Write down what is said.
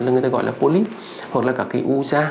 người ta gọi là polyp hoặc là các cái u da u nhu da